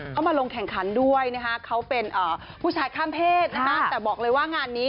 เขามาลงแข่งขันด้วยนะคะเขาเป็นผู้ชายข้ามเพศนะคะแต่บอกเลยว่างานนี้